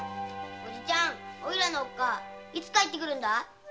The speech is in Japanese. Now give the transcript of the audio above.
おいらのおっ母いつ帰ってくるんだ？